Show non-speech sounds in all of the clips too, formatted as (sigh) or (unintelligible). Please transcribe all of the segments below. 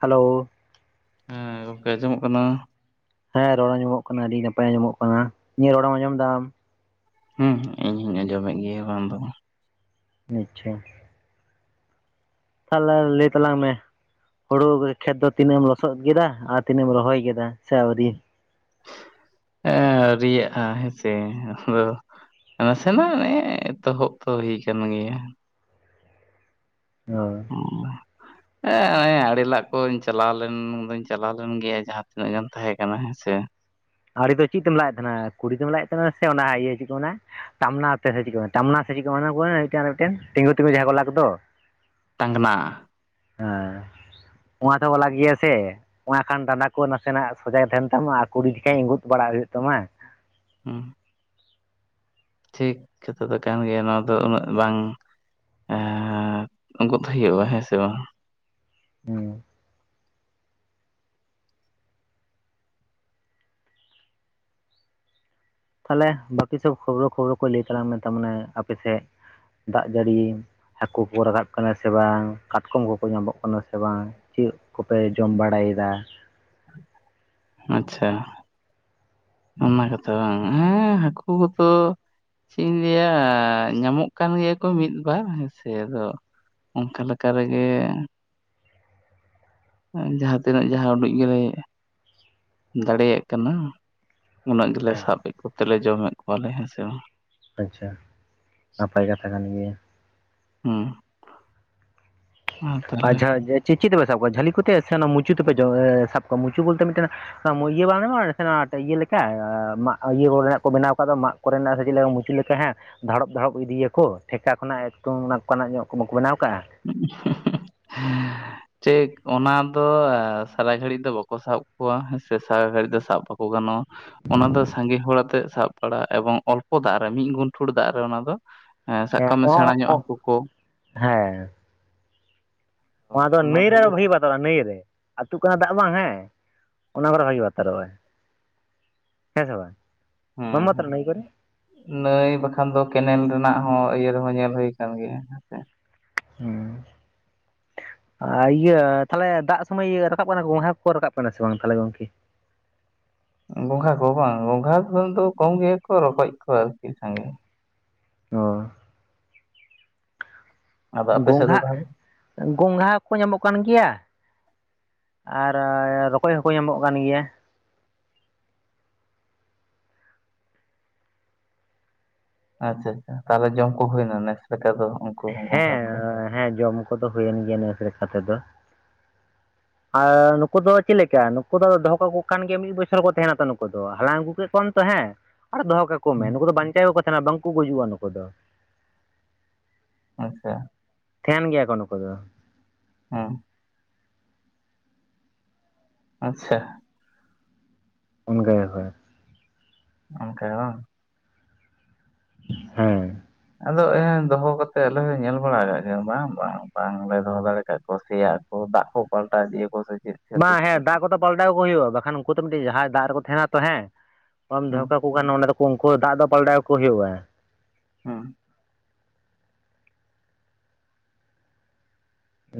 Hello (unintelligible) ᱟᱸᱡᱚᱢᱚᱜ ᱠᱟᱱᱟ, ᱦᱮᱸ ᱨᱚᱲ ᱟᱸᱡᱚᱢᱚᱜ ᱠᱟᱱᱟ ᱟᱹᱰᱤ ᱱᱟᱯᱟᱭ ᱟᱸᱡᱚᱢᱚᱜ ᱠᱟᱱᱟ ᱤᱧᱟᱹᱜ ᱨᱚᱲᱮᱢ ᱟᱸᱡᱚᱢ ᱫᱟ ᱟᱢ? ᱦᱮᱸ ᱤᱧ ᱦᱚᱧ ᱟᱸᱡᱚᱢᱮᱫ ᱜᱮᱭᱟ ᱠᱟᱝ ᱫᱚ ᱵᱟᱝ᱾ ᱟᱪᱪᱷᱟ ᱛᱟᱦᱚᱞᱮ ᱞᱟᱹᱭ ᱛᱟᱞᱟᱝ ᱢᱮ, ᱦᱩᱲᱩ ᱠᱷᱮᱛ ᱫᱚ ᱛᱤᱱᱟᱹᱜ ᱮᱢ ᱞᱚᱥᱚᱫ ᱠᱮᱫᱟ ᱟᱨ ᱛᱤᱱᱟᱹᱜ ᱮᱢ ᱨᱚᱦᱚᱭ ᱠᱮᱫᱟ ᱥᱮ ᱟᱹᱣᱨᱤ? ᱟᱹᱣᱨᱤᱭᱟᱜ-ᱟ ᱦᱮᱸᱥᱮ ᱟᱫᱚ ᱱᱟᱥᱮᱱᱟᱜ ᱱᱮ ᱮᱛᱚᱦᱚᱵ ᱛᱚ ᱦᱩᱭ ᱠᱟᱱ ᱜᱮᱭᱟ᱾ ᱚᱻ (unintelligible) ᱦᱮᱸᱜ ᱱᱚᱜ-ᱚᱭ ᱟᱲᱮ ᱞᱟᱜ ᱠᱚᱧ ᱪᱟᱞᱟᱣ ᱞᱮᱱ ᱫᱚᱧ ᱪᱟᱞᱟᱣ ᱞᱮᱱ ᱜᱮᱭᱟ ᱡᱟᱦᱟᱸ ᱛᱤᱱᱟᱹᱜ ᱜᱟᱱ ᱛᱟᱦᱮᱸ ᱠᱟᱱᱟ ᱦᱮᱸᱥᱮ, ᱟᱲᱮ ᱫᱚ ᱪᱮᱫ ᱛᱮᱢ ᱞᱟᱜᱮᱫ ᱛᱟᱦᱮᱱᱟ ᱠᱩᱰᱤ ᱛᱮᱢ ᱞᱟᱜᱮᱫ ᱛᱟᱦᱮᱱᱟ ᱥᱮ ᱚᱱᱟ ᱤᱭᱟᱹ ᱪᱮᱫ ᱠᱚ ᱢᱮᱱᱟ ᱛᱟᱢᱱᱟ ᱛᱮ ᱥᱮ ᱪᱮᱫ ᱠᱩ ᱢᱮᱱᱟ ᱛᱟᱢᱱᱟ ᱥᱮ ᱪᱮᱫ ᱠᱚ (unintelligible) ᱢᱤᱫᱴᱮᱱ ᱛᱤᱸᱜᱩ ᱛᱤᱸᱜᱩ ᱡᱟᱦᱟᱸᱭ ᱠᱚ ᱞᱟ ᱠᱚᱫᱚ, ᱴᱟᱝᱜᱱᱟ᱾ ᱦᱮᱸᱻ ᱱᱚᱣᱟ ᱛᱮᱦᱚᱸ ᱠᱚ ᱞᱟᱝ ᱜᱮᱭᱟ ᱥᱮ ᱚᱱᱟ ᱠᱷᱟᱱ ᱰᱟᱸᱰᱟ ᱠᱚ ᱱᱟᱥᱮᱱᱟᱜ ᱥᱚᱡᱟ ᱜᱤ ᱛᱟᱦᱮᱱ ᱛᱟᱢᱟ ᱟᱨ ᱠᱩᱰᱤ ᱦᱮᱸ ᱤᱸᱜᱩᱫ ᱵᱟᱲᱟᱜ ᱦᱩᱭᱩᱜ ᱛᱟᱢᱟ᱾ ᱦᱩᱸᱻ ᱴᱷᱤᱠ ᱠᱟᱛᱷᱟ ᱫᱚ ᱠᱟᱱ ᱜᱮᱭᱟ ᱱᱚᱣᱟ ᱫᱚ ᱩᱱᱟᱹᱜ ᱵᱟᱝ, ᱩᱸᱜᱚᱫ ᱦᱩᱭᱩᱜ-ᱟ ᱦᱮᱸ ᱥᱮ ᱵᱟᱝ᱾ ᱦᱮᱸ ᱛᱟᱦᱚᱞᱮ ᱵᱟᱹᱠᱤ ᱥᱚᱵ ᱠᱷᱚᱵᱨᱚ ᱠᱷᱚᱵᱨᱚ ᱠᱚ ᱞᱟᱹᱭ ᱛᱟᱞᱟᱝ ᱢᱮ ᱛᱟ ᱢᱟᱱᱮ ᱟᱯᱮ ᱥᱮᱫ ᱫᱟᱜ ᱡᱟᱹᱲᱤ ᱦᱟᱹᱠᱩ ᱠᱩ ᱨᱟᱠᱟᱵ ᱠᱟᱱᱟ ᱥᱮ ᱵᱟᱝ ᱠᱟᱴᱠᱚᱢ ᱠᱚᱠᱚ ᱧᱟᱢᱚᱜ ᱠᱟᱱᱟ ᱥᱮ ᱵᱟᱝ ᱾ ᱪᱮᱫ ᱠᱚᱯᱮ ᱡᱚᱢ ᱵᱟᱲᱟᱭᱮᱫᱟ? ᱟᱪᱷᱟ ᱚᱱᱟ ᱠᱟᱛᱷᱟ ᱵᱟᱝ ᱦᱮᱸ ᱦᱟᱹᱠᱩ ᱠᱚᱫᱚ ᱾ ᱪᱮᱫ ᱤᱧ ᱞᱟᱹᱭᱟ ᱧᱟᱢᱚᱜ ᱠᱟᱱ ᱜᱮᱭᱟ ᱠᱚ ᱢᱤᱫ ᱵᱟᱨ ᱦᱮᱸᱥᱮ ᱟᱫᱚ ᱾ ᱚᱱᱠᱟ ᱞᱮᱠᱟ ᱨᱮᱜᱮ ᱾ ᱡᱟᱦᱟᱸ ᱛᱤᱱᱟᱹᱜ ᱡᱟᱦᱟᱸ ᱩᱰᱩᱡ ᱜᱮᱞᱮ ᱫᱟᱲᱮᱭᱟᱜ ᱠᱟᱱᱟ ᱾ ᱩᱱᱟᱹᱜ ᱜᱮᱞᱮ ᱥᱟᱵᱫ ᱠᱮᱫ ᱠᱚ ᱛᱮᱞᱮ ᱡᱚᱢᱮᱫ ᱠᱚᱣᱟᱞᱮ ᱦᱮᱸ ᱥᱮ ᱵᱟᱝ ᱾ ᱟᱪᱷᱟ ᱱᱟᱯᱟᱭ ᱠᱟᱛᱷᱟ ᱠᱟᱱ ᱜᱮᱭᱟ ᱾ ᱦᱩᱸ ᱾ ᱟᱪᱷᱟ ᱪᱮᱫ ᱛᱮᱯᱮ ᱥᱟᱵ ᱠᱚᱣᱟ ᱡᱷᱟᱹᱞᱤ ᱠᱚᱛᱮ ᱥᱮ ᱚᱱᱟ ᱢᱩᱪᱩ ᱛᱮᱯᱮ ᱥᱟᱵ ᱠᱚᱣᱟ ᱢᱩᱪᱩ ᱵᱚᱞᱛᱮ ᱢᱤᱫᱴᱮᱱ ᱾ ᱤᱭᱟᱹ ᱵᱟᱝ ᱜᱟᱱᱚᱜᱼᱟ ᱱᱟᱥᱮᱱᱟᱜ ᱤᱭᱟᱹ ᱞᱮᱠᱟ ᱢᱟᱜ ᱤᱭᱟᱹ ᱠᱚᱨᱮᱱᱟᱜ ᱠᱚ ᱵᱮᱱᱟᱣ ᱠᱟᱫᱟ ᱢᱟᱜ ᱾ ᱠᱚᱨᱮᱱᱟᱜ ᱥᱮ ᱪᱮᱫ ᱞᱮᱠᱟ ᱢᱩᱪᱟᱹ ᱞᱮᱠᱟ ᱦᱮᱸ ᱾ ᱫᱷᱟᱲᱚᱵ ᱫᱷᱟᱲᱚᱵ ᱤᱫᱤᱭᱟᱠᱚ ᱴᱷᱮᱠᱟ ᱠᱷᱚᱱᱟᱜ ᱮᱠᱫᱚᱝ ᱚᱱᱟᱠᱟᱱᱟᱜ ᱧᱚᱜ ᱠᱚ ᱵᱟᱠᱚ ᱵᱮᱱᱟᱣ ᱠᱟᱜᱼᱟ ᱾ ᱦᱮᱻ ᱾ ᱪᱮᱜ ᱚᱱᱟ ᱫᱚ ᱥᱟᱨᱟ ᱜᱷᱟᱹᱲᱤᱡ ᱫᱚ ᱵᱟᱠᱚ ᱥᱟᱵ ᱠᱚᱣᱟ ᱦᱮᱸ ᱥᱮ ᱥᱟᱨᱟ ᱜᱷᱟᱹᱲᱤᱡ ᱫᱚ ᱥᱟᱵ ᱾ ᱠᱚ ᱜᱟᱱᱚᱜᱼᱟ ᱾ ᱚᱱᱟ ᱫᱚ ᱥᱟᱸᱜᱮ ᱦᱚᱲ ᱟᱛᱮᱜ ᱥᱟᱵ ᱵᱟᱲᱟ ᱮᱵᱚᱝ ᱚᱞᱯᱚ ᱫᱟᱜ ᱨᱮ ᱢᱤᱜ ᱜᱩᱱᱴᱷᱩᱲ ᱫᱟᱜ ᱨᱮ ᱚᱱᱟ ᱫᱚ ᱾ ᱦᱮᱸ ᱚ ᱦᱮᱸ ᱾ ᱚᱱᱟ ᱫᱚ ᱱᱟᱹᱭ ᱨᱮ ᱵᱷᱟᱜᱤ ᱵᱟᱛᱚᱨᱚᱜᱼᱟ ᱱᱟᱹᱭ ᱨᱮ ᱟᱹᱛᱩᱜ ᱠᱟᱱᱟ ᱫᱟᱜ ᱵᱟᱝ ᱦᱮᱸ ᱚᱱᱟ ᱠᱚᱨᱮ ᱵᱷᱟᱜᱤ ᱵᱟᱛᱚᱨᱚᱜᱼᱟᱭ ᱾ ᱦᱮᱸ ᱥᱮ ᱵᱟᱝ? ᱦᱮᱸ ᱢᱟᱢᱟᱛᱟᱨᱟ ᱦᱩᱸ ᱾ ᱱᱟᱹᱭ ᱠᱚᱨᱮ ᱱᱟᱹᱭ ᱵᱟᱠᱷᱟᱱ ᱫᱚ ᱠᱮᱱᱮᱞ ᱨᱮᱱᱟᱜ ᱦᱚᱸ ᱤᱭᱟᱹ ᱨᱮᱦᱚᱸ ᱧᱮᱞ ᱦᱩᱭ ᱟᱠᱟᱱ ᱜᱮᱭᱟ ᱦᱮᱸ ᱥᱮ ᱾ ᱦᱩᱸᱻ ᱾ ᱟᱨ ᱤᱭᱟᱹ ᱛᱟᱦᱚᱞᱮ ᱫᱟᱜ ᱥᱚᱢᱚᱭ ᱤᱭᱟᱹ ᱨᱟᱠᱟᱵ ᱠᱟᱱᱟ ᱠᱚ ᱦᱮᱸ ᱠᱚᱠᱚ ᱨᱟᱠᱟᱵ ᱠᱟᱱᱟ ᱥᱮ ᱵᱟᱝ ᱛᱟᱦᱚᱞᱮ ᱜᱚᱝᱠᱮ? ᱜᱚᱝᱜᱷᱟ ᱠᱚ ᱵᱟᱝ ᱜᱚᱝᱜᱷᱟ ᱠᱷᱚᱱ ᱫᱚ ᱠᱚᱢ ᱜᱮᱠᱚ ᱨᱚᱠᱚᱡ ᱠᱚ ᱟᱨᱠᱤ ᱥᱟᱸᱜᱮ ᱾ ᱚᱻ ᱾ ᱟᱫᱚ ᱟᱯᱮ ᱥᱮᱫ ᱫᱚ ᱜᱚᱝᱜᱷᱟ ᱛᱟᱦᱚᱞᱮ ᱜᱚᱝᱜᱷᱟ ᱠᱚ ᱧᱟᱢᱚᱜ ᱠᱟᱱ ᱜᱮᱭᱟ ᱾ ᱟᱨᱻ ᱨᱚᱠᱚᱡ ᱦᱚᱸᱠᱚ ᱧᱟᱢᱚᱜ ᱠᱟᱱ ᱜᱮᱭᱟ ᱾ ᱟᱪᱷᱟ ᱟᱪᱷᱟ ᱛᱟᱦᱚᱞᱮ ᱡᱚᱢ ᱠᱚ ᱦᱩᱭᱮᱱᱟ ᱱᱮᱥ (inaudible) ᱫᱚ ᱾ ᱦᱮᱸ ᱦᱮᱸ ᱡᱚᱢ ᱠᱚᱫᱚ ᱦᱩᱭᱮᱱ ᱜᱮᱭᱟ ᱱᱮᱥ ᱞᱮᱠᱟ ᱛᱮ ᱫᱚ ᱾ ᱟᱻ ᱱᱩᱠᱩ ᱫᱚ ᱪᱮᱫ ᱞᱮᱠᱟ ᱱᱩᱠᱩ ᱫᱚ ᱫᱚᱦᱚ ᱠᱟᱠᱚ ᱠᱟᱱ ᱜᱮᱭᱟ ᱢᱤᱫ ᱵᱚᱪᱷᱚᱨ ᱠᱚ ᱛᱟᱦᱮᱱᱟ ᱛᱚ ᱱᱩᱠᱩ ᱫᱚ ᱦᱟᱞᱟᱝ ᱟᱹᱜᱩ ᱠᱮᱫ ᱠᱚᱣᱟᱢ ᱛᱚ ᱦᱮᱸ ᱾ ᱟᱨ ᱫᱚᱦᱚ ᱠᱟᱠᱚ ᱢᱮ ᱦᱩᱸ, ᱱᱩᱠᱩ ᱫᱚ ᱵᱟᱧᱪᱟᱣ ᱜᱮ ᱠᱚ ᱛᱟᱦᱮᱱᱟ ᱵᱟᱝᱠᱚ ᱜᱩᱡᱩᱜᱼᱟ ᱱᱩᱠᱩ ᱫᱚ ᱾ ᱟᱪᱷᱟ ᱾ ᱛᱟᱦᱮᱱ ᱜᱮᱭᱟ ᱠᱚ ᱱᱩᱠᱩ ᱫᱚ ᱾ ᱦᱩᱸ ᱾ ᱟᱪᱷᱟ ᱾ ᱩᱱ ᱜᱮᱭ ᱦᱚᱭ ᱾ ᱚᱱᱠᱟ ᱵᱟᱝ? ᱦᱩᱸᱻ ᱾ ᱟᱫᱚ ᱮ ᱫᱚᱦᱚ ᱠᱟᱛᱮ ᱟᱞᱮ ᱦᱚᱸ ᱞᱮ ᱧᱮᱞ ᱵᱟᱲᱟ ᱠᱟᱜ ᱜᱮᱭᱟ ᱵᱟᱝ ᱵᱟᱝ ᱵᱟᱝᱞᱮ ᱫᱚᱦᱚ ᱫᱟᱲᱮ ᱠᱟᱜ ᱠᱚᱣᱟ ᱥᱮᱭᱟ ᱾ ᱚ ᱫᱟᱜ ᱠᱚ ᱯᱟᱞᱴᱟ ᱤᱫᱤᱭᱟ ᱠᱚ ᱥᱮ ᱪᱮᱫ ᱾ ᱵᱟᱝ ᱦᱮᱸ ᱫᱟᱜ ᱠᱚᱫᱚ ᱯᱟᱞᱴᱟᱣ ᱟᱠᱚ ᱦᱩᱭᱩᱜᱼᱟ ᱵᱟᱠᱷᱟᱱ ᱩᱱᱠᱩ ᱛᱚ ᱢᱤᱫᱴᱮᱡ ᱡᱟᱦᱟᱸᱭ ᱫᱟᱜ ᱨᱮᱠᱚ ᱛᱟᱦᱮᱱᱟ ᱛᱚ ᱦᱮᱸ ᱠᱚᱢ ᱫᱚᱦᱚ ᱦᱩᱸ ᱾ ᱩᱠᱩ ᱠᱷᱟᱱ ᱚᱸᱰᱮ ᱫᱚᱠᱚ ᱩᱱᱠᱩ ᱫᱟᱜ ᱫᱚ ᱯᱟᱞᱴᱟᱣ ᱟᱠ ᱠᱚ ᱦᱩᱭᱩᱜᱼᱟ ᱾ ᱦᱩᱸᱻ ᱾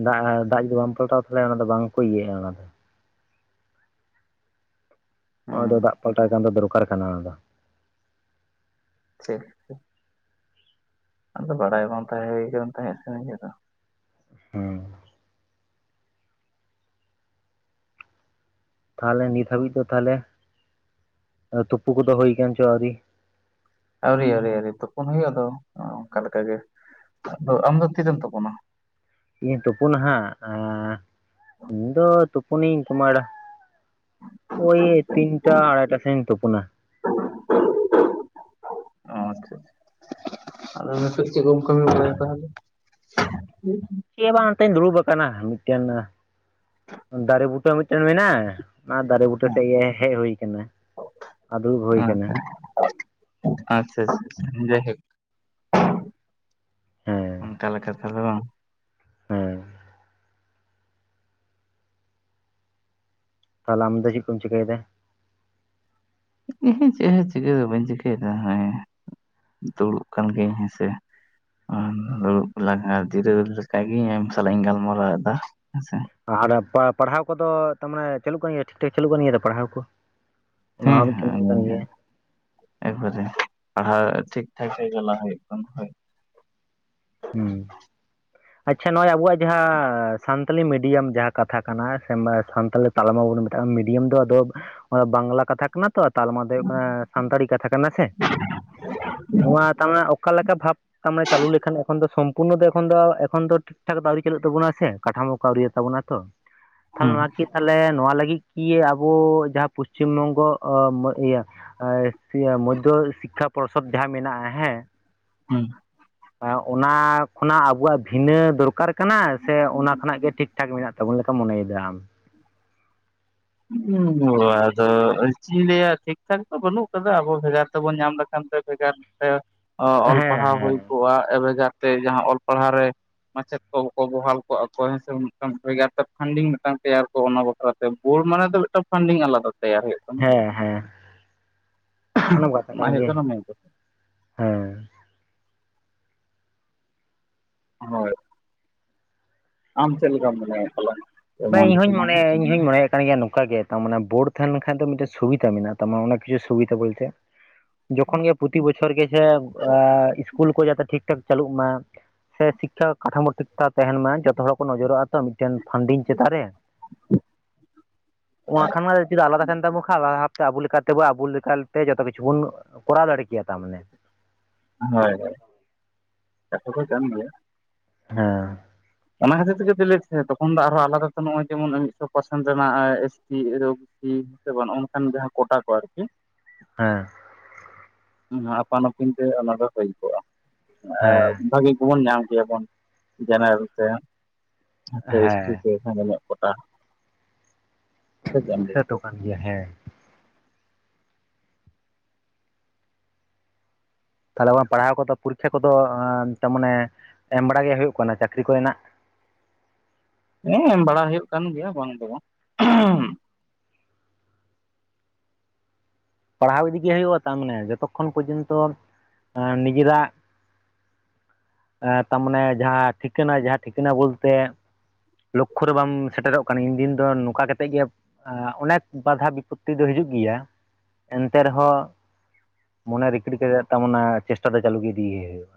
ᱫᱟᱜ ᱫᱟᱜ ᱡᱩᱫᱤ ᱵᱟᱢ ᱯᱟᱞᱴᱟᱣ ᱛᱟᱦᱚᱞᱮ ᱚᱱᱟ ᱫᱚ ᱵᱟᱝᱠᱚ ᱤᱭᱟᱹᱜᱼᱟ ᱚᱱᱟ ᱫᱚ ᱾ ᱟᱫᱚ ᱦᱩᱸ ᱫᱟᱜ ᱯᱟᱞᱴᱟᱣ ᱠᱟᱱ ᱫᱚ ᱫᱚᱨᱠᱟᱨ ᱠᱟᱱᱟ ᱚᱫᱚ᱾ ᱥᱮ ᱟᱫᱚ ᱵᱟᱲᱟᱭ ᱵᱟᱝ ᱛᱟᱦᱮᱸ ᱦᱩᱭ ᱠᱟᱱ ᱛᱟᱦᱮᱸᱜ ᱥᱮ ᱱᱤᱡᱮ ᱫᱚ᱾ ᱦᱩᱸ᱾ ᱛᱟᱦᱚᱞᱮ ᱱᱤᱛ ᱦᱟᱹᱵᱤᱡ ᱫᱚ ᱛᱟᱦᱚᱞᱮ ᱛᱩᱯᱩ ᱠᱚᱫᱚ ᱦᱩᱭ ᱠᱟᱱ ᱪᱚ ᱟᱹᱣᱨᱤ? ᱟᱹᱣᱨᱤ ᱟᱹᱣᱨᱤ ᱟᱹᱣᱨᱤ ᱛᱩᱯᱚᱱ ᱦᱩᱭᱩᱜ-ᱟ ᱟᱫᱚ ᱚᱱᱠᱟ ᱞᱮᱠᱟᱜᱮ ᱟᱫᱚ ᱟᱢ ᱫᱚ ᱛᱤᱨᱮᱢ ᱛᱩᱯᱩᱱᱟ? ᱤᱧ ᱛᱩᱯᱩᱱᱟ ᱦᱟᱸᱜ ᱟ ᱤᱧ ᱫᱚ ᱛᱩᱯᱩᱱᱤᱧ ᱠᱩᱢᱟᱲᱟ ᱳᱭ ᱛᱤᱱᱴᱟ ᱟᱲᱟᱭᱴᱟ ᱥᱮᱜ ᱤᱧ ᱛᱚᱯᱩᱱᱟ᱾ (unintelligible) ᱚᱻ ᱟᱪᱪᱷᱟ ᱟᱪᱪᱷᱟ᱾ ᱟᱫᱚ ᱱᱤᱛᱚᱜ ᱪᱮᱜ ᱠᱚᱢ ᱠᱟᱹᱢᱤ ᱵᱟᱲᱟᱭᱮᱫᱟ? (unintelligible) ᱪᱮᱜ ᱦᱚᱸ ᱵᱟᱝ ᱚᱱᱛᱮᱧ ᱫᱩᱲᱩᱵ ᱟᱠᱟᱱᱟ ᱢᱤᱜᱴᱮᱱ ᱫᱟᱨᱮ ᱵᱩᱴᱟᱹ ᱢᱤᱜᱴᱮᱱ ᱢᱮᱱᱟᱜ-ᱟ᱾ ᱦᱮᱸ ᱚᱱᱟ ᱫᱟᱨᱮ ᱵᱩᱴᱟᱹ ᱥᱮᱜ ᱜᱮ ᱦᱮᱡ ᱦᱩᱭ ᱠᱟᱱᱟ ᱟ ᱫᱩᱲᱩᱵ ᱦᱩᱭ ᱠᱟᱱᱟ᱾ ᱟᱪᱪᱷᱟ ᱟᱪᱪᱷᱟ ᱟᱪᱪᱷᱟ ᱡᱟᱜᱮ ᱦᱮᱸ ᱚᱱᱠᱟ ᱞᱮᱠᱟᱛᱮ ᱛᱟᱦᱚᱞᱮ ᱵᱟᱝ ᱦᱮᱸ᱾ ᱛᱟᱦᱚᱞᱮ ᱟᱢ ᱫᱚ ᱪᱤᱜ ᱠᱚᱢ ᱪᱤᱠᱟᱹᱭᱮᱫᱟ? ᱩᱦᱩ ᱪᱮᱜ ᱦᱚᱸ ᱪᱤᱠᱟᱹᱭ ᱫᱚ ᱵᱟᱹᱧ ᱪᱤᱠᱟᱹᱭᱮᱫᱟ ᱦᱮᱸ ᱫᱩᱲᱩᱵ ᱠᱟᱱ ᱜᱮ ᱦᱮᱸᱥᱮ᱾ ᱟᱨ ᱫᱩᱲᱩᱵ ᱞᱟᱦᱟ ᱡᱤᱨᱟᱹ ᱞᱮᱠᱟᱜᱤᱧ ᱟᱢ ᱥᱟᱞᱟᱜ ᱤᱧ ᱜᱟᱞᱢᱟᱨᱟᱣ ᱮᱫᱟ ᱦᱮᱸᱥᱮ᱾ ᱟᱨ ᱯᱟᱲ ᱯᱟᱲᱦᱟᱣ ᱠᱚᱫᱚ ᱛᱟᱢᱟᱱᱮ ᱪᱟᱞᱩᱜ ᱠᱟᱱ ᱜᱮᱭᱟ ᱴᱷᱤᱠ ᱴᱷᱟᱠ ᱪᱟᱹᱞᱩᱜ ᱠᱟᱱ ᱜᱮᱭᱟ ᱛᱚ ᱯᱟᱲᱦᱟᱣ ᱠᱚ? ᱚᱱᱟ ᱦᱮᱸ ᱦᱚᱸ ᱢᱤᱫᱴᱮᱱ ᱤᱭᱟᱹ ᱠᱟᱱ ᱜᱮᱭᱟ (unintelligible) ᱮᱠᱵᱟᱨᱮ ᱯᱟᱲᱦᱟᱣ ᱴᱷᱤᱠ ᱴᱷᱟᱠ ᱜᱤ ᱪᱟᱞᱟ ᱦᱩᱭᱩᱜ ᱠᱟᱱᱟ ᱦᱚᱭ᱾ ᱦᱩᱸ ᱟᱪᱪᱷᱟ ᱱᱚᱜᱚᱭ ᱟᱵᱚᱣᱟᱜ ᱡᱟᱦᱟᱸ ᱥᱟᱱ ᱥᱟᱱᱛᱟᱞᱤ ᱢᱤᱰᱤᱭᱟᱢ ᱡᱟᱦᱟᱸ ᱠᱟᱛᱷᱟ ᱠᱟᱱᱟ ᱦᱮ ᱥᱮ ᱢᱟᱹ ᱥᱟᱱᱛᱟᱞᱤ ᱛᱟᱲᱢᱟᱵᱚᱞᱮ ᱢᱤᱜᱴᱟᱝ ᱢᱤᱰᱤᱭᱟᱢ ᱫᱚ ᱟᱫᱚ ᱚᱱᱟ ᱵᱟᱝᱞᱟ ᱠᱟᱛᱷᱟ ᱠᱟᱱᱟ ᱛᱚ ᱛᱟᱞᱢᱟ ᱫᱚ ᱦᱩᱭᱩᱜ ᱠᱟᱱᱟ ᱥᱟᱱᱛᱟᱲᱤ ᱠᱟᱛᱷᱟ ᱠᱟᱱᱟ ᱥᱮ᱾ ᱱᱚᱣᱟ ᱛᱟᱢᱟᱱᱮ ᱚᱠᱟ ᱞᱮᱠᱟ ᱵᱷᱟᱵ ᱛᱟᱢᱟᱱᱮ ᱪᱟᱹᱞᱩ ᱞᱮᱠᱷᱟᱱ ᱮᱠᱷᱚᱱ ᱫᱚ ᱥᱚᱢ ᱯᱩᱱᱱᱚ ᱫᱚ ᱮᱠᱷᱚᱱ ᱫᱚ ᱮᱠᱷᱚᱱ ᱫᱚ ᱴᱷᱤᱠ ᱴᱷᱟᱠ ᱫᱚ ᱟᱹᱣᱨᱤ ᱪᱟᱞᱩᱜ ᱛᱟᱵᱩᱱᱟ ᱥᱮ ᱠᱟᱴᱷᱟᱢᱚ ᱠᱚ ᱟᱹᱣᱨᱤ ᱛᱟᱵᱚᱱᱟ ᱛᱚ ᱛᱟᱦᱚᱞᱮ ᱦᱩᱸ ᱱᱚᱣᱟ ᱠᱤ ᱛᱟᱦᱚᱞᱮ ᱱᱚᱣᱟ ᱞᱟᱹᱜᱤᱜ ᱠᱤ ᱟᱵᱚ ᱡᱟᱦᱟᱸ ᱯᱚᱥᱪᱤᱢ ᱵᱚᱝᱜᱚ (unintelligible) ᱤᱭᱟᱹ (unintelligible) ᱢᱚᱫᱽᱫᱷᱚ ᱥᱤᱠᱠᱷᱟ ᱯᱚᱨᱥᱚᱫ ᱡᱟᱦᱟᱸ ᱢᱮᱱᱟᱜᱼᱟ ᱦᱮᱸ᱾ ᱦᱩᱸ᱾ ᱚᱱᱟ ᱠᱷᱚᱱᱟᱜ ᱟᱵᱚᱣᱟᱜ ᱵᱷᱤᱱᱟᱹ ᱫᱚᱨᱠᱟᱨ ᱠᱟᱱᱟ ᱥᱮ ᱚᱱᱟ ᱠᱷᱚᱱᱟᱜ ᱜᱮ ᱴᱷᱤᱠ ᱴᱷᱟᱠ ᱢᱮᱱᱟᱜ ᱛᱟᱵᱚᱱ ᱞᱮᱠᱟᱢ ᱢᱚᱱᱮ ᱭᱮᱫᱟᱢ? ᱟᱫᱚ ᱪᱮᱜ ᱤᱧ ᱞᱟᱹᱭᱟ ᱴᱷᱤᱠᱴᱷᱟᱠ ᱫᱚ ᱵᱟᱹᱱᱩᱜ ᱠᱟᱫᱟ ᱟᱵᱚ ᱵᱷᱮᱜᱟᱨ ᱛᱮᱵᱚᱱ ᱧᱟᱢ ᱞᱮᱠᱷᱟᱱ ᱛᱮ ᱵᱷᱮᱜᱟᱨ ᱛᱮ ᱚᱞ ᱦᱮᱸ ᱯᱟᱲᱦᱟᱣ ᱦᱮᱸ ᱦᱩᱭ ᱠᱚᱜᱼᱟ ᱮ ᱵᱷᱮᱜᱟᱨᱛᱮ ᱡᱟᱦᱟᱸ ᱚᱞ ᱯᱟᱲᱦᱟᱣ ᱨᱮ ᱢᱟᱪᱮᱫ ᱠᱚᱠᱚ ᱵᱚᱦᱟᱞ ᱠᱚᱜᱼᱟ ᱠᱚ ᱦᱮᱸ ᱥᱮ ᱢᱤᱫᱴᱟᱝ ᱵᱷᱮᱜᱟᱨ ᱛᱮ ᱯᱷᱟᱱᱰᱤᱝ ᱢᱤᱜᱴᱟᱝ ᱛᱮᱭᱟᱨ ᱠᱚ ᱚᱱᱟ ᱵᱟᱠᱷᱨᱟᱛᱮ ᱚᱞ ᱢᱟᱱᱮ ᱛᱚ ᱢᱤᱫᱴᱟᱝ ᱯᱷᱟᱱᱰᱤᱝ ᱟᱞᱟᱫᱟ ᱛᱮᱭᱟᱨ ᱦᱩᱭᱩᱜ ᱠᱟᱱᱟ ᱦᱮᱸ ᱦᱮᱸ ᱚᱱᱟ ᱵᱟᱛᱟ ᱠᱟᱱ ᱦᱩᱭᱩᱜ ᱜᱮ ᱠᱟᱱᱟ ᱢᱮᱱ ᱠᱟᱛᱷᱟ ᱦᱮᱸ᱾ ᱦᱳᱭ ᱟᱢ ᱪᱮᱜ ᱞᱮᱠᱟᱢ ᱢᱚᱱᱮᱭᱮᱜ ᱛᱟᱞᱟᱝᱟ? ᱵᱮ ᱤᱧᱦᱧ ᱢᱚᱱᱮᱭᱟ ᱤᱧ ᱤᱧ ᱢᱚᱱᱮᱜ ᱠᱟᱱ ᱜᱮᱭᱟ ᱱᱚᱝᱠᱟ ᱜᱮ ᱛᱟᱨᱢᱟᱱ ᱵᱳᱲ ᱛᱟᱦᱮᱱ ᱞᱮᱱ ᱠᱷᱟᱡ ᱫᱚ ᱢᱤᱜᱴᱮᱱ ᱥᱩᱵᱤᱛᱟ ᱢᱮᱱᱟᱜ ᱛᱟᱢᱟ ᱚᱱᱟ ᱠᱤᱪᱷᱩ ᱥᱩᱵᱤᱛᱟ ᱵᱚᱞᱛᱮ (inaudible) ᱡᱚᱠᱷᱚᱱ ᱜᱮ ᱯᱚᱛᱤ ᱵᱚᱪᱷᱚᱨ ᱜᱮ ᱡᱷᱮ ᱟ ᱤᱥᱠᱩᱞ ᱠᱚ ᱡᱟᱛᱮ ᱴᱷᱤᱠ ᱴᱷᱟᱠ ᱪᱟᱹᱞᱩᱜ ᱢᱟ᱾ ᱥᱮ ᱴᱷᱤᱠ ᱴᱷᱟᱠ ᱠᱟᱴᱷᱟᱢᱳ ᱴᱷᱤᱠ ᱴᱷᱟ ᱛᱟᱦᱮᱱ ᱢᱟᱭ ᱡᱚᱛᱚ ᱦᱚᱲ ᱠᱚ ᱱᱚᱡᱚᱨᱚᱜᱼᱟ ᱛᱚ ᱢᱤᱜᱴᱮᱱ ᱯᱷᱟᱱᱰᱤᱝ ᱪᱮᱛᱟᱱ ᱨᱮ ᱚᱣᱟᱠᱷᱟᱱ ᱢᱟ ᱪᱮᱫᱟᱜ ᱟᱞᱟᱫᱟ ᱠᱟᱱ ᱛᱟᱵᱚ (unintelligible) ᱟᱵᱩ ᱞᱮᱠᱟᱛᱮᱵᱚ ᱟᱵᱩ ᱞᱮᱠᱟᱞ ᱛᱮ ᱡᱚᱛᱚ ᱠᱤᱪᱷᱩ ᱵᱚᱱ ᱠᱚᱨᱟᱣ ᱫᱟᱲᱮ ᱠᱮᱭᱟ ᱛᱟ ᱢᱟᱱᱮ᱾ ᱦᱳᱭ ᱦᱳᱭ ᱠᱟᱛᱷᱟ ᱫᱚ ᱠᱟᱱᱜᱮᱭᱟ᱾ ᱦᱮᱸ, ᱚᱱᱟ ᱠᱷᱟᱹᱛᱤᱨ ᱛᱮᱜᱮ ᱛᱚ ᱞᱟᱹᱫᱮᱫ ᱛᱟᱸᱦᱟ ᱛᱠᱷᱚᱱ ᱫᱚ ᱟᱨᱦᱚᱸ ᱟᱞᱟᱫᱟ ᱛᱮ ᱱᱚᱜᱼᱚᱭ ᱡᱮᱢᱚᱱ ᱢᱤᱫᱥᱚ ᱯᱟᱨᱥᱮᱱ ᱨᱮᱱᱟᱜ ᱮᱥᱤ, ᱥᱮ ᱵᱟᱝ ᱚᱱᱠᱟᱱ ᱡᱟᱦᱟᱸ ᱠᱴᱟ ᱠᱚ ᱟᱨᱠᱤ᱾ ᱦᱮᱸ, ᱦᱟ ᱟᱯᱟᱱ ᱟᱹᱯᱤᱱ ᱛᱮ ᱚᱱᱟ ᱫᱚ ᱦᱩᱭ ᱠᱚᱜᱼᱟ᱾ ᱦᱮᱸ ᱵᱷᱟᱹᱜᱤ ᱠᱚᱵᱚᱱ ᱧᱟᱢ ᱠᱮᱭᱟᱵᱚᱱ ᱡᱟᱱᱟᱨᱮᱞ ᱛᱮ᱾ ᱮᱤᱥ ᱦᱮᱸ ᱛᱮᱜ ᱱᱤᱱᱟᱜ ᱠᱚᱴᱟ᱾ ᱥᱮᱛᱚ ᱠᱟᱱ ᱜᱮᱭᱟ ᱦᱮᱸ, ᱛᱟᱦᱚᱞᱮ ᱜᱣᱟ ᱯᱟᱲᱦᱟᱣ ᱠᱚᱫᱚ ᱯᱚᱨᱤᱠᱷᱟ ᱠᱚᱫᱚ ᱛᱟᱢᱟᱱᱮ ᱮᱢ ᱵᱟᱲᱟ ᱜᱮ ᱦᱩᱭᱩᱜ ᱠᱟᱱᱟ ᱪᱟᱹᱠᱨᱤ ᱠᱚᱨᱮᱱᱟᱜ ᱦᱮᱸ ᱵᱟᱲᱟ ᱦᱩᱭᱩᱜ ᱠᱟᱱ ᱜᱮᱭᱟ ᱵᱟᱝ ᱫᱚ ᱵᱟᱝ᱾ ᱯᱟᱲᱦᱟᱣ ᱤᱫᱤᱜᱮ ᱦᱩᱭᱩᱜᱼᱟ ᱛᱟᱢᱟᱱᱮ ᱡᱚᱛᱚᱠᱷᱚᱱ ᱯᱚᱡᱚᱱᱛᱚ ᱱᱤᱡᱮᱨᱟᱜ ᱛᱟᱢᱟᱱᱮ ᱡᱟᱦᱟᱸ ᱴᱷᱤᱠᱟᱹᱱᱟ ᱡᱟᱦᱟᱸ ᱴᱷᱤᱠᱟᱹᱱᱟ ᱵᱚᱞᱛᱮ (unintelligible) ᱞᱚᱠᱠᱷᱚ ᱨᱮ ᱵᱟᱢ ᱥᱮᱴᱮᱨᱚᱜ ᱠᱟᱱᱟ ᱤᱱᱫᱤᱱ ᱫᱚ ᱱᱚᱠᱟ ᱠᱟᱛᱮᱜ ᱜᱮ ᱚᱱᱮᱠ ᱵᱟᱫᱷᱟ ᱵᱤᱯᱚᱛᱛᱤ ᱫᱚ ᱦᱤᱡᱩᱜ ᱜᱮᱭᱟ ᱮᱱᱛᱮ ᱨᱮᱦᱚᱸ ᱢᱚᱱᱮ ᱨᱤᱠᱤᱰ ᱠᱮᱛᱮᱫ ᱛᱟᱢᱱᱟ ᱪᱮᱥᱴᱟ ᱫᱚ ᱪᱟᱞᱩ ᱜᱮ ᱤᱫᱤᱭᱮ ᱦᱩᱭᱩᱜᱼᱟ᱾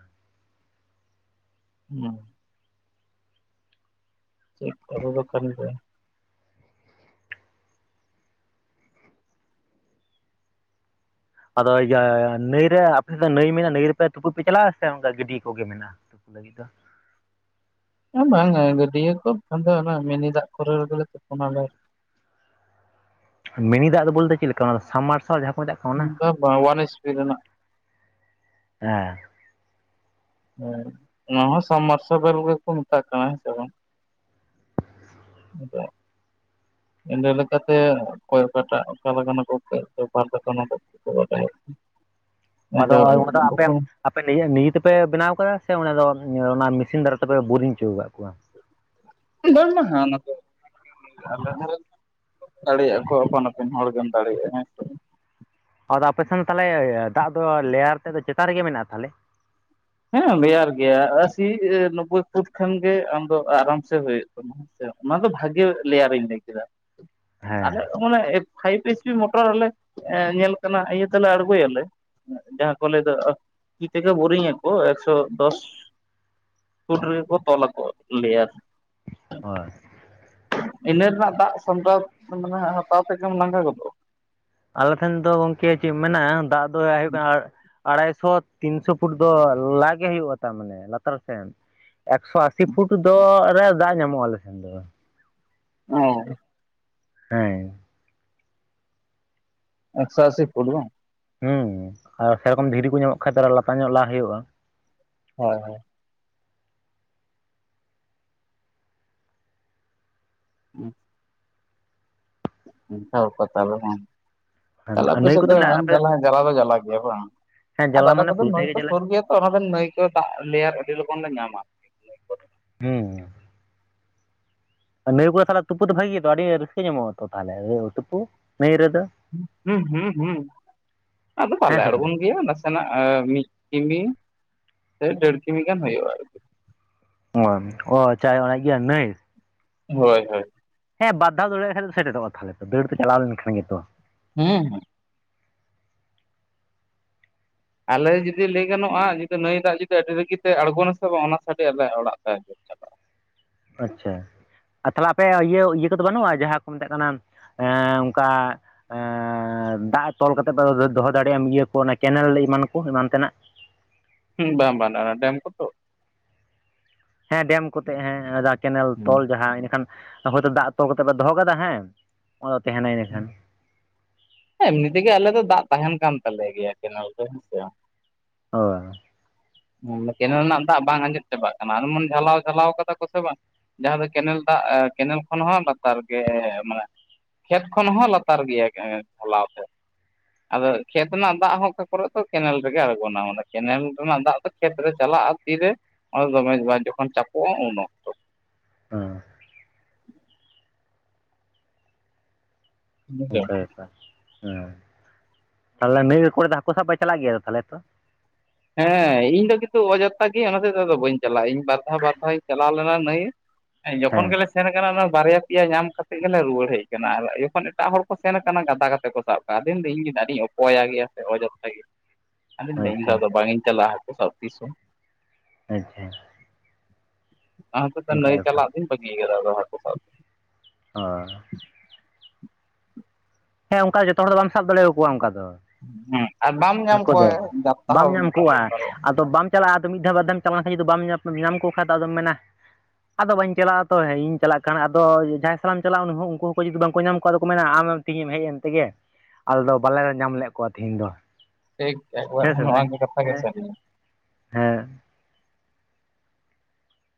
ᱦᱮᱸ, (inaudible) ᱟᱫᱚ ᱤᱭᱟᱹ ᱱᱟᱹᱭ ᱨᱮ ᱟᱯᱮ ᱥᱮᱫ ᱫᱚ ᱱᱟᱹᱭ ᱢᱮᱱᱟᱜᱼᱟ ᱱᱟᱹᱭ ᱨᱮᱯᱮ ᱛᱩᱯᱩᱡ ᱯᱮ ᱪᱟᱞᱟᱜᱼᱟ ᱥᱮ ᱚᱱᱠᱟ ᱜᱟᱹᱰᱭᱟᱹ ᱠᱚᱜᱮ ᱢᱮᱱᱟᱜᱼᱟ? ᱛᱩᱯᱩ ᱞᱟᱹᱜᱤᱫ ᱫᱚ? (inaudible) ᱵᱟᱝᱟ ᱜᱟᱹᱰᱭᱟᱹ ᱠᱚ ᱵᱟᱝᱠᱷᱟᱱ ᱫᱚ ᱚᱱᱟ ᱢᱤᱱᱤ ᱫᱟᱜ ᱠᱚᱨᱮ ᱞᱮᱜᱮ ᱛᱩᱯᱩᱱᱟᱞᱮ᱾ ᱢᱤᱱᱤ ᱫᱟᱜ ᱫᱚ ᱵᱚᱞᱛᱮ ᱪᱮᱫ ᱞᱮᱠᱟ ᱚᱱᱟ ᱥᱟᱵᱢ ᱢᱟᱨᱥᱟᱞ ᱡᱟᱦᱟᱸ ᱠᱚ ᱢᱮᱛᱟᱜ ᱠᱟᱱᱟ? ᱚᱱᱟ ᱵᱟ ᱳᱣᱟᱱᱮᱥᱵᱤ ᱨᱣᱮᱱᱟᱜ᱾ ᱦᱮᱸ, ᱦᱮᱸ ᱚᱱᱟ ᱦᱚᱸ ᱥᱟᱢᱢᱟᱨᱥᱟᱵᱮᱞ ᱜᱮᱠᱚ ᱢᱮᱛᱟᱜ ᱠᱟᱱᱟ ᱦᱮᱸ ᱥᱮ ᱵᱟᱝ᱾ ᱱᱤᱛᱚᱜ, ᱮᱸᱰᱮ ᱞᱮᱠᱟᱛᱮ ᱚᱠᱚᱭ ᱚᱠᱟᱴᱟᱜ ᱚᱠᱟ ᱞᱮᱠᱟ ᱵᱟᱠᱳ ᱵᱟᱲᱟᱭᱮᱫ᱾ (unintelligible) ᱟᱫᱚ ᱚᱜ-ᱚᱭ ᱵᱷᱚᱰᱟ ᱟᱯᱮ (inaudible) ᱟᱯᱮ ᱱᱤᱡ ᱱᱤᱡᱮ ᱛᱮᱯᱮ ᱵᱮᱱᱟᱣ ᱠᱟᱫᱟ ᱥᱮ ᱚᱱᱟᱸ ᱫᱚ ᱚᱱᱟ ᱢᱮᱥᱤᱱ ᱫᱟᱨᱟᱭ ᱛᱮᱯᱮ ᱵᱳᱨᱤᱝ ᱦᱚᱪᱚ ᱟᱠᱟᱫ ᱠᱚᱣᱟ? (inaudible) ᱟᱞᱮ ᱦᱚᱸ ᱫᱟᱲᱮᱭᱟᱜᱼᱟ ᱠᱚ ᱟᱯᱟᱱ ᱟᱹᱯᱤᱱ ᱦᱚᱲ ᱜᱮᱢ ᱫᱟᱲᱮᱭᱟᱜᱼᱟ ᱦᱮᱸᱥᱮ᱾ ᱟᱫᱚ ᱟᱯᱮᱥᱮᱱ ᱛᱟᱦᱚᱞᱮ ᱫᱟᱜ ᱫᱚ ᱞᱮᱭᱟᱨ ᱛᱮᱫ ᱫᱚ ᱪᱮᱛᱟᱱ ᱨᱮᱜᱮ ᱢᱮᱱᱟᱜᱼᱟ ᱛᱟᱦᱚᱞᱮ? ᱦᱮᱸ ᱞᱮᱭᱟᱨ ᱜᱮᱭᱟ ᱟᱥᱤ (unintelligible) ᱤᱭᱟᱹ ᱱᱳᱵᱵᱳᱭ (unintelligible) ᱯᱷᱩᱴ ᱠᱷᱟᱱ ᱜᱮ ᱟᱢᱫᱚ ᱟᱨᱟᱢ ᱥᱮ ᱦᱩᱭᱩᱜ ᱛᱟᱢᱟ᱾ ᱦᱮᱥᱮ ᱚᱱᱟ ᱫᱚ ᱵᱷᱟᱜᱤ ᱞᱮᱭᱟᱨᱤᱧ ᱞᱟᱹᱭ ᱠᱮᱫᱟ ᱟᱞᱮ ᱦᱮᱸ ᱢᱟᱱᱮ ᱯᱷᱟᱭᱤᱵ (unintelligible) ᱮᱥ ᱯᱤ ᱢᱚᱴᱚᱨ ᱨᱮᱞᱮ ᱧᱮᱞ ᱠᱟᱱᱟ ᱤᱭᱟᱹ ᱛᱮᱞᱮ ᱟᱬᱜᱚᱭᱟᱞᱮ ᱡᱟᱦᱟᱸ ᱠᱚ ᱞᱟᱹᱭ ᱫᱚ ᱛᱤ ᱛᱮᱜᱮ ᱵᱳᱨᱤᱝ ᱟᱠᱚ ᱾ ᱠᱚ ᱮᱠᱥᱚ ᱫᱚᱥ (unintelligible) ᱯᱷᱩᱴ ᱨᱮᱠᱚ ᱛᱚᱞᱟ ᱠᱚ ᱞᱮᱭᱟᱨ᱾ ᱦᱳᱭ, ᱤᱱᱟᱹ ᱨᱮᱱᱟᱜ ᱫᱟᱜ ᱥᱟᱢᱴᱟᱣ ᱢᱟᱱᱮ ᱦᱟᱛᱟᱣ ᱛᱮᱜᱮᱢ ᱞᱟᱸᱜᱟ ᱜᱚᱫᱚᱜᱼᱟ᱾ ᱟᱞᱮ ᱴᱷᱮᱱ ᱫᱚ ᱜᱚᱝᱠᱮ ᱪᱮᱫ ᱢᱮᱱᱟᱼᱟ ᱫᱟᱜ ᱫᱚ ᱟᱭᱩ (inaudible) ᱟᱲᱟᱭᱥᱚ ᱛᱤᱱᱥᱚ (unintelligible) ᱯᱷᱩᱴ ᱫᱚ ᱞᱟᱜ ᱜᱮ ᱦᱩᱭᱩᱜᱼᱟ ᱛ ᱢᱟᱱᱮ ᱞᱟᱛᱟᱨ ᱥᱮᱱ᱾ ᱮᱠᱥᱚ ᱟᱥᱤ (unintelligible) ᱯᱷᱩᱴ ᱫᱚ ᱨᱮ ᱫᱟᱜ ᱧᱟᱢᱚᱜᱼᱟ ᱟᱞᱮ ᱥᱮᱱ ᱫᱚ ᱾ ᱚᱻ, ᱦᱮᱸ, ᱮᱠᱥᱚ ᱟᱥᱤ ᱯᱷᱩᱴ ᱵᱟᱝ? ᱦᱩᱸ, ᱟᱨ ᱥᱮᱨᱚᱠᱚᱢ ᱫᱷᱤᱨᱤ ᱠᱚ ᱧᱟᱢᱚᱜ ᱠᱷᱟᱡ ᱛᱚ ᱟᱨᱚ ᱞᱟᱛᱟᱨ ᱧᱚᱜ ᱞᱟ ᱦᱩᱭᱩᱜᱼᱟ ᱾ ᱦᱳᱭ ᱦᱳᱭ ᱾ ᱦᱩᱸ ᱾ ᱚᱝᱠᱟ ᱵᱮᱯᱟᱨ ᱛᱟᱦᱚᱞᱮ ᱵᱟᱝ! ᱛᱟᱦᱚᱞᱮ ᱱᱟᱹᱭ ᱟᱯᱮᱥᱮᱫ ᱠᱚᱫᱚ ᱫᱚ ᱡᱟᱠᱟ ᱢᱮᱱᱟᱜᱼᱟ ᱦᱚᱸ ᱟᱯᱮ ᱡᱟᱞᱟ ᱫᱚ ᱡᱟᱞᱟ ᱜᱮᱭᱟ ᱵᱟᱝ? ᱦᱮᱸ ᱟᱫᱚ ᱡᱟᱞᱟ ᱟᱞᱮ ᱢᱟᱱᱮ ᱠᱚᱫᱚ ᱱᱟᱹᱭ ᱯᱩᱨᱟᱹᱴᱟᱭ ᱜᱮ ᱠᱚ ᱡᱟᱞᱟ ᱥᱳᱨ ᱜᱮᱭᱟ ᱛᱚ, ᱚᱱᱟ ᱫᱚ ᱱᱟᱹᱭ ᱠᱚ ᱫᱟᱜ ᱞᱮᱭᱟᱨ ᱟᱹᱰᱤ ᱞᱚᱜᱚᱱ ᱞᱮ ᱧᱟᱢᱟ᱾ ᱦᱮᱸ ᱾ ᱱᱟᱹᱭ ᱠᱚᱨᱮ ᱛᱟᱦᱚᱞᱮ ᱛᱩᱯᱩ ᱫᱚ ᱵᱷᱟᱹᱜᱮ ᱜᱮᱛᱚ ᱟᱹᱰᱤ ᱨᱟᱹᱥᱠᱟᱹ ᱧᱟᱢᱚᱜᱼᱟ ᱛᱚ ᱛᱟᱦᱚᱞᱮ ᱛᱩᱯᱩ ᱱᱟᱹᱭ ᱨᱮᱫᱚ! ᱦᱩᱸ ᱦᱩᱸ ᱦᱩᱸ, ᱟᱫᱚ ᱵᱟᱞᱮ ᱦᱮᱸ ᱥᱮ ᱟᱬᱜᱚᱱ ᱵᱟᱝ ᱜᱮᱭᱟ, ᱱᱟ ᱥᱮ ᱱᱟᱜ ᱢᱤᱫ ᱠᱤᱢᱤ ᱥᱮ ᱰᱮᱲ ᱠᱤᱢᱤ ᱜᱟᱱ ᱦᱩᱭᱩᱜᱼᱟ ᱟᱨ ᱾ (unintelligible) ᱚ ᱪᱟᱭ ᱚᱱᱟ ᱤᱭᱟᱹ ᱱᱟᱹᱭ! ᱦᱳᱭ ᱦᱳᱭ ᱾ ᱦᱮᱸ ᱵᱟᱨ ᱫᱷᱟᱣ ᱫᱟᱹᱲ ᱟᱜ ᱠᱷᱟᱡ ᱜᱮ ᱥᱮᱴᱮᱨᱚᱜᱼᱟ ᱛᱟᱦᱞᱮ ᱛᱚ, ᱫᱟᱹᱲ ᱛᱮ ᱪᱟᱞᱟᱣ ᱞᱮᱱᱠᱷᱟᱱ ᱜᱮᱛᱚ᱾ ᱦᱮᱸ ᱦᱮᱸ ᱾ ᱟᱞᱮ ᱡᱩᱫᱤ ᱞᱟᱹᱭ ᱜᱟᱱᱚᱜᱼᱟ ᱡᱩᱫᱤ ᱱᱟᱹᱭ ᱫᱟᱜ ᱡᱩᱫᱤ ᱟᱹᱰᱤ ᱨᱟᱹᱜᱤ ᱛᱮ ᱟᱬᱜᱚᱱᱟ ᱥᱮ ᱵᱟᱝ ᱚᱱᱟ ᱥᱟᱰᱮ ᱟᱞᱮ ᱚᱲᱟᱜ ᱛᱮ (unintelligible) ᱟᱪᱪᱷᱟ, ᱟᱨ ᱛᱟᱦᱚᱞᱮ ᱟᱯᱮ ᱤᱭᱟᱹ ᱤᱭᱟᱹ ᱠᱚᱫᱚ ᱵᱟᱹᱱᱩᱜᱼᱟ ᱡᱟᱦᱟᱸ ᱠᱚ ᱢᱮᱛᱟᱜ ᱠᱟᱱᱟ ᱦᱮᱸᱻ ᱚᱝᱠᱟ ᱟᱸᱻ ᱫᱟᱜ ᱛᱚᱞ ᱠᱟᱛᱮ ᱯᱮ ᱫᱚᱦᱚ ᱫᱟᱲᱮᱭᱟᱜᱼᱟ ᱤᱭᱟᱹ ᱠᱚ ᱚᱱᱟ ᱠᱮᱱᱮᱞ ᱮᱢᱟᱱ ᱠᱚ ᱮᱢᱟᱱ ᱛᱮᱱᱟᱜ᱾ ᱦᱩᱸ ᱵᱟᱝ ᱵᱟᱝ ᱚᱱᱟ ᱰᱮᱢ ᱠᱚ ᱛᱚ! ᱦᱮᱸ ᱰᱮᱢ ᱠᱚᱛᱮ ᱦᱮᱸ ᱡᱟᱦᱟ ᱠᱮᱱᱮᱞ ᱦᱩᱸ ᱛᱚᱞ ᱡᱟᱦᱟᱸ ᱮᱱᱮᱠᱷᱟᱱ ᱦᱚᱭᱛᱳ ᱫᱟᱜ ᱛᱚᱞ ᱠᱟᱛᱮ ᱯᱮ ᱫᱚᱦᱚ ᱠᱟᱫᱟ ᱦᱮᱸ ᱚᱱᱟ ᱫᱚ ᱛᱟᱦᱮᱱᱟᱭ ᱤᱱᱟᱹᱠᱷᱟᱱ᱾ ᱮᱢᱱᱤ ᱛᱮᱜᱮ ᱟᱞᱮ ᱫᱚ ᱫᱟᱜ ᱛᱟᱦᱮᱱ ᱠᱟᱱ ᱛᱟᱞᱮ ᱜᱮᱭᱟ ᱠᱮᱱᱮᱞ ᱫᱚ ᱦᱮᱸᱥᱮ ᱵᱟᱝ! ᱦᱳᱭ ᱾ ᱠᱮᱱᱮᱞ ᱨᱮᱱᱟᱜ ᱫᱟᱜ ᱵᱟᱝ ᱟᱸᱡᱮᱫ ᱪᱟᱵᱟᱜ ᱠᱟᱱᱟ, ᱟᱨ ᱮᱢᱚᱱ ᱡᱷᱟᱞᱟᱣ ᱡᱷᱟᱞᱟᱣ ᱠᱟᱫᱟ ᱠᱚ ᱥᱮ ᱵᱟᱝ, ᱡᱟᱦᱟᱸ ᱫᱚ ᱠᱮᱱᱮᱞ ᱫᱟᱜ ᱠᱮᱱᱮᱞ ᱠᱷᱚᱱ ᱦᱚᱸ ᱞᱟᱛᱟᱨ ᱜᱮ ᱢᱟᱱᱮ ᱠᱷᱮᱛ ᱠᱷᱚᱱ ᱦᱚᱸ ᱞᱟᱛᱟᱨ ᱜᱮᱭᱟ ᱮ ᱠᱷᱚᱞᱟᱣ ᱛᱮᱫ ᱾ ᱟᱫᱚ ᱠᱷᱮᱛ ᱨᱮᱱᱟᱜ ᱫᱟᱜ ᱦᱚᱸ ᱚᱠᱟ ᱠᱚᱨᱮ ᱫᱚ ᱠᱮᱱᱮᱞ ᱨᱮᱜᱮ ᱟᱲᱜᱚᱱᱟ ᱚᱱᱟ ᱠᱮᱱᱮᱞ ᱨᱮᱱᱟᱜ ᱫᱟᱜ ᱫᱚ ᱠᱷᱮᱛ ᱨᱮ ᱪᱟᱞᱟᱜᱼᱟ ᱛᱤᱨᱮ ᱚᱱᱮ ᱫᱚᱢᱮᱡ ᱵᱟᱝ ᱡᱚᱠᱷᱚᱱ ᱪᱟᱯᱚᱜᱼᱟ ᱩᱱ ᱚᱠᱛᱚ ᱾ ᱦᱮᱸ ᱾ ᱵᱩᱡᱷᱟᱹᱣ ᱚᱱᱠᱟ ᱵᱮᱯᱟᱨ, ᱦᱮᱸ ᱛᱟᱦᱚᱞᱮ ᱱᱟᱹᱭ ᱫᱚᱜ ᱠᱚᱨᱮ ᱦᱟᱠᱳ ᱥᱟᱵ ᱯᱮ ᱪᱟᱞᱟᱜ ᱜᱮᱭᱟ ᱛᱚ ᱛᱟᱦᱚᱞᱮ ᱛᱚ? ᱦᱮᱸ ᱤᱧ ᱫᱚ ᱠᱤᱱᱛᱩ ᱚᱡᱟᱛᱛᱟ ᱜᱤᱭᱟᱧ ᱚᱱᱟ ᱛᱮᱜ ᱫᱚ ᱟᱫᱚ ᱵᱟᱹᱧ ᱪᱟᱞᱟᱜᱼᱟ ᱾ ᱤᱧ ᱵᱟᱨ ᱫᱷᱟᱣ ᱵᱟᱨ ᱫᱷᱟᱣ ᱤᱧ ᱪᱟᱞᱟᱣ ᱞᱮᱱᱟ ᱱᱟᱹᱭ ᱮ ᱡᱚᱠᱷᱚᱱ ᱦᱮᱸ ᱜᱮᱞᱮ ᱥᱮᱱ ᱟᱠᱟᱱᱟ ᱚᱱᱟ ᱵᱟᱨᱭᱟ ᱯᱮᱭᱟ ᱧᱟᱢ ᱠᱟᱛᱮ ᱜᱮᱞᱮ ᱨᱩᱣᱟᱹᱲ ᱦᱮᱡ ᱟᱠᱟᱱᱟ, ᱟᱨ ᱡᱚᱠᱷᱚᱱ ᱮᱴᱟᱜ ᱦᱚᱲ ᱠᱚ ᱥᱮᱱ ᱟᱠᱟᱱᱟ ᱜᱟᱫᱟ ᱠᱟᱛᱮ ᱠᱚ ᱥᱟᱵ ᱟᱫᱮᱱ ᱫᱟᱧ ᱤᱧ ᱜᱮ ᱟᱰᱤᱧ ᱚᱯᱚᱭᱟ ᱜᱮᱭᱟ ᱥᱮ ᱚᱡᱟᱛᱛᱟ ᱜᱮᱭᱟ ᱾ ᱟᱹᱫᱚᱧ ᱢᱮᱱᱫᱟ ᱟᱪᱪᱷᱟ ᱟᱫᱚ ᱵᱟᱝ ᱤᱧ ᱪᱟᱞᱟᱜᱼᱟ ᱦᱟᱠᱳ ᱥᱟᱵᱽ ᱛᱤᱥ ᱦᱚᱸ ᱾ ᱟᱪᱪᱷᱟ ᱾ ᱚᱱᱟ ᱦᱚᱛᱮᱜ ᱛᱮ ᱱᱟᱹᱭ ᱵᱮᱯᱟᱨ ᱪᱟᱞᱟᱜ ᱫᱩᱧ ᱵᱟᱹᱜᱤᱭ ᱠᱟᱫᱟ ᱟᱫᱚ ᱦᱟᱠᱩ ᱥᱟᱵᱽ ᱾ ᱦᱮᱸ ᱾ ᱦᱮᱸ ᱚᱝᱠᱟ ᱡᱚᱛᱚ ᱦᱚᱲ ᱫᱚ ᱵᱟᱢ ᱥᱟᱵ ᱫᱟᱲᱮᱭᱟᱠᱚᱣᱟ ᱚᱝᱠᱟ ᱫᱚ ᱦᱮᱸ ᱟᱨ ᱵᱟᱢ ᱾ ᱧᱟᱢ ᱦᱟᱠᱳ ᱠᱚᱣᱟ ᱫᱚ ᱡᱟᱛᱛᱟ ᱵᱟᱢ ᱦᱚᱸ ᱧᱟᱢ ᱚᱱᱠᱟ ᱠᱚᱣᱟ ᱫᱚᱨᱠᱟᱨᱚᱜᱼᱟ ᱾ ᱟᱫᱚ ᱵᱟᱢ ᱪᱟᱞᱟᱜᱼᱟ ᱟᱫᱚ ᱢᱤᱫ ᱫᱟᱣ ᱵᱟᱨᱫᱷᱟᱢ ᱪᱟᱞᱟᱣ ᱞᱮᱱ ᱠᱷᱟᱱ ᱡᱩᱫᱤ ᱵᱟᱢ ᱧᱟᱢ ᱠᱚ ᱠᱷᱟᱡ ᱫᱚ ᱟᱫᱚᱢ ᱢᱮᱱᱟ ᱟᱫᱚ ᱵᱟᱹᱧ ᱪᱟᱞᱟᱜᱼᱟ ᱛᱚ ᱦᱮᱸ ᱤᱧ ᱪᱟᱞᱟᱜ ᱠᱷᱟᱵ ᱟᱫᱚ ᱡᱟᱦᱟᱸᱭ ᱥᱟᱞᱟᱜ ᱮᱢ ᱪᱟᱞᱟᱜᱼᱟ ᱩᱱᱤ ᱦᱚᱸ ᱩᱝᱠᱩ ᱦᱚᱸᱠᱚ ᱡᱩᱫᱤ ᱵᱟᱝᱠᱚ ᱧᱟᱢ ᱠᱚᱣᱟ, ᱟᱫᱚ ᱠᱚ ᱢᱮᱱᱟ ᱟᱢᱮᱢ ᱛᱤᱦᱤᱧᱮᱢ ᱦᱮᱡ ᱮᱱ ᱛᱮᱜᱮ ᱟᱞᱮ ᱫᱚ ᱵᱟᱞᱮ ᱧᱟᱢ ᱞᱮᱫ ᱠᱚᱣᱟ ᱛᱤᱦᱤᱧ ᱫᱚ ᱾ ᱮᱠ ᱮᱠᱵᱟᱨᱮ ᱱᱚᱣᱟ ᱠᱚ ᱠᱟᱛᱷᱟ ᱜᱮ ᱦᱮᱸ ᱥᱟᱨᱤᱭᱟ᱾ ᱦᱮᱸ